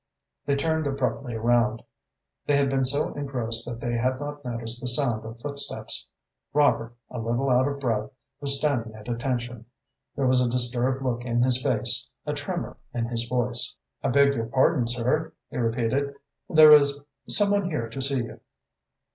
They turned abruptly around. They had been so engrossed that they had not noticed the sound of footsteps. Robert, a little out of breath, was standing at attention. There was a disturbed look in his face, a tremor in his voice. "I beg your pardon, sir," he repeated, "there is some one here to see you."